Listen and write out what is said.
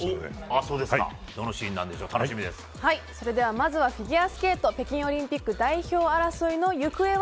まずはフィギュアスケート北京オリンピック代表争いの行方は？